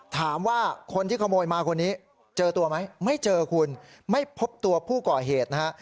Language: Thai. ถามว่าคนที่ขโมยมาคนนี้เจอตัวไหมไม่เจอคุณไม่พบตัวผู้ก่อเหตุนะฮะ